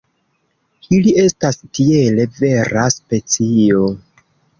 Ili estas tiele vera specio.